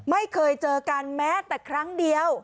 ไม่เคยเจอกันแม้แต่ครั้งเดียว